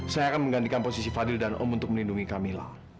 saya akan menggantikan posisi fadil dan om untuk melindungi kami